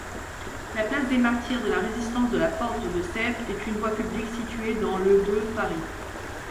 La place des Martyrs-de-la-Résistance-de-la-Porte-de-Sèvres est une voie publique située dans le de Paris.